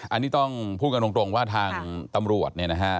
อันนี้ต้องพูดกันตรงว่าทางตำรวจ